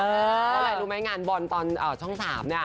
เค้าบอกไล่รูมายกรุ่ายงานตอนช่อง๓นะ